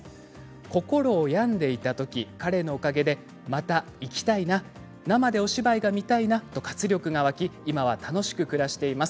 心を病んでいたとき彼のおかげでまた生きたいな生でお芝居が見たいなと活力が湧き、今は楽しく暮らしています。